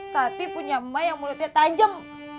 tati punya emak yang mulutnya tajem